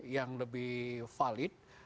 yang lebih valid